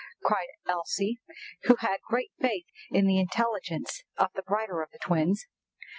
cried Elsie, who had great faith in the intelligence of the brighter of the twins.